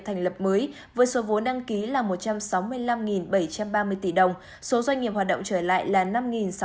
thành lập mới với số vốn đăng ký là một trăm sáu mươi năm bảy trăm ba mươi tỷ đồng số doanh nghiệp hoạt động trở lại là năm sáu trăm linh